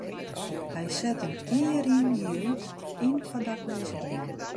Hy set him jier yn jier út yn foar dakleaze bern.